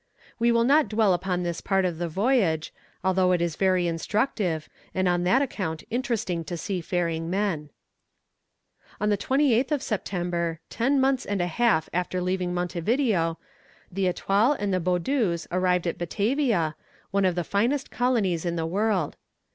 We will not dwell upon this part of the voyage, although it is very instructive, and on that account interesting to seafaring men. On the 28th of September, ten months and a half after leaving Montevideo, the Etoile and the Boudeuse arrived at Batavia, one of the finest colonies in the world.